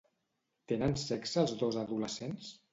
Tenen sexe els dos adolescents?